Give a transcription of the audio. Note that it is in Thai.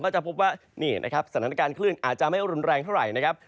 จะพบว่านี่นะครับสถานการณ์คลื่นอาจจะไม่รุนแรงเท่าไหร่นะครับ